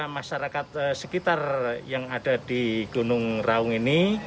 masyarakat sekitar yang ada di gunung raung ini